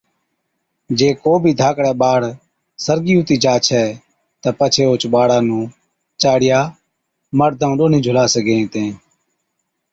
جي ڪو بِي ڌاڪڙَي ٻاڙ سرگِي ھُتي جا ڇَي تہ پڇي اوھچ ٻاڙا نُون چاڙِيا مرد ڏونهِين جھُلا سِگھي هِتين